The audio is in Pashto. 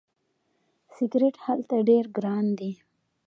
سیګرټ هلته ډیر ګران دي.